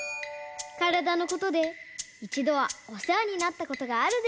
からだのことでいちどはおせわになったことがあるでしょう。